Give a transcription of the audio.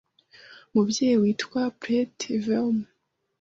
Umubyeyi witwa Preeti Verma